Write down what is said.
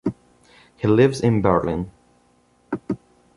He lives in Berlin.